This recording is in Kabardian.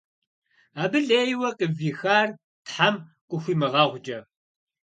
Абы лейуэ къывихар Тхьэм къыхуимыгъэгъукӀэ.